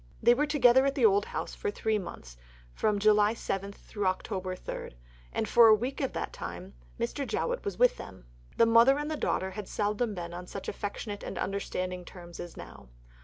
They were together at the old home for three months (July 7 Oct. 3), and for a week of the time Mr. Jowett was with them. The mother and the daughter had seldom been on such affectionate and understanding terms as now.